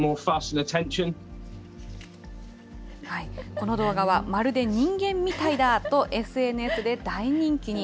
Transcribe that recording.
この動画は、まるで人間みたいだとＳＮＳで大人気に。